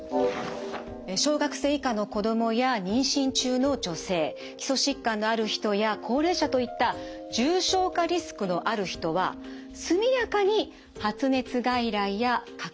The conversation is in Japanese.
小学生以下の子どもや妊娠中の女性基礎疾患のある人や高齢者といった重症化リスクのある人は速やかに発熱外来やかかりつけ医を受診します。